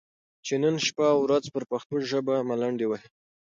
چې نن شپه او ورځ پر پښتو ژبه ملنډې وهي،